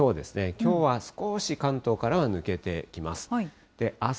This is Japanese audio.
きょうは少し関東からは抜けてきます。